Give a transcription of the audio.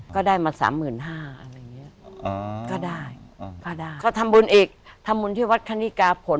ก็ได้มาสามหมื่นห้า